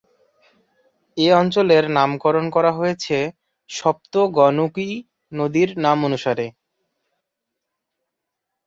এ অঞ্চলের নামকরণ করা হয়েছে সপ্ত গণ্ডকী নদীর নামানুসারে।